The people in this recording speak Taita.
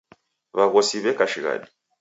W'aghosi w'eka shighadi.